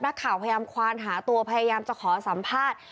นักข่าวพยายามควานหาตัวพยายามจะขอสัมภาษณ์